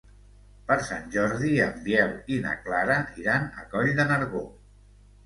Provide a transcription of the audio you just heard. Per Sant Jordi en Biel i na Clara iran a Coll de Nargó.